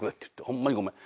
「ホンマにごめん。